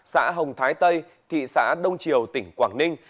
xã hồng thái tây thị xã đông triều tỉnh quảng ninh